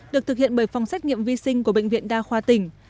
được thực hiện bởi phòng xét nghiệm vi sinh của bệnh viện đa khoa tỉnh